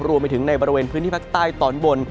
รวมไปถึงในบริเวณพื้นที่ภาคใต้ตอนบน